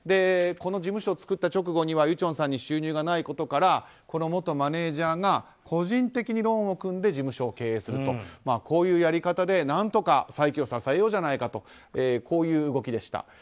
この事務所を作った直後にはユチョンさんに収入がないことからこの元マネジャーが個人的にローンを組んで事務所を経営するとこういうやり方で何とか再起を支えようじゃないかとこういう動きでした。